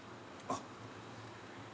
あっ。